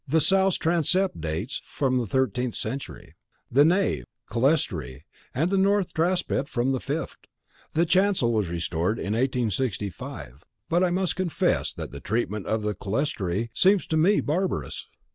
The south transept dates from the thirteenth century; the nave, clerestory, and north transept from the fifth. The chancel was restored in 1865, but I must confess that the treatment of the clerestory seems to me barbarous.